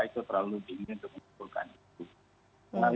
itu terlalu dini untuk mengumpulkan itu